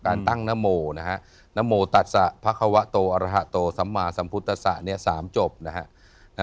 การตั้งนโมนะฮะนโมตัสสะพระควะโตอรหะโตสัมมาสัมพุทธศะ๓จบนะฮะ